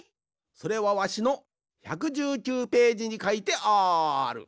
それはわしの１１９ページにかいてある。